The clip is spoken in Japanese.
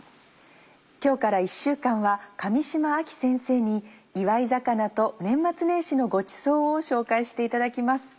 今日から１週間は上島亜紀先生に祝い肴と年末年始のごちそうを紹介していただきます。